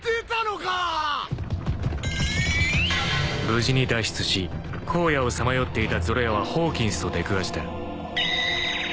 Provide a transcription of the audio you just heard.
［無事に脱出し荒野をさまよっていたゾロ屋はホーキンスと出くわした］